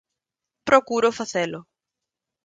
Procuro facelo.